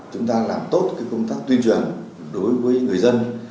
chúng ta làm tốt công tác tuyên truyền đối với người dân